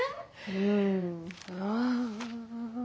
うん。